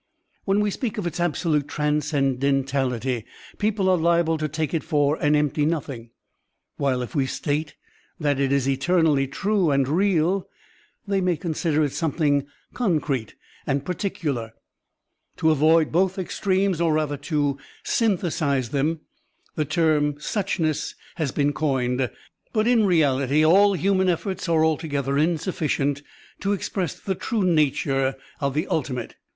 When we speak of its absolute transcendentality, people are liable to take it for an empty nothing; while if we state that it is eternally true and real, they may consider it something concrete ahd particular. To avoid both extremes, or rather to synthesize them, the term "Suchness" has been coined; but in reality all human efforts are altogether Digitized by Google 34 SERMONS OP A BUDDHIST ABBOT insufficient to express the true nature of the ultimate.